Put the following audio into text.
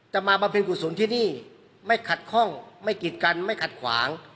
มาบำเพ็ญกุศลที่นี่ไม่ขัดข้องไม่กิดกันไม่ขัดขวาง